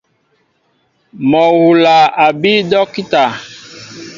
Mol hula a bii docta.